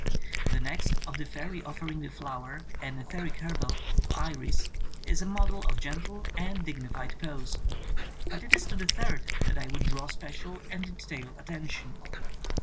The next, of the fairy offering a flower — an ether ic hare bell — to Iris, is a model of gentle and digni fied pose, but it is to the third that I would draw special and detailed attention.